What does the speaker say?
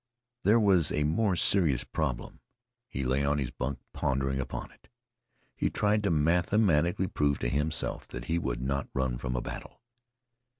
There was a more serious problem. He lay in his bunk pondering upon it. He tried to mathematically prove to himself that he would not run from a battle.